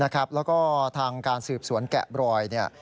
แล้วก็ทางการสืบสวนแกะบรอย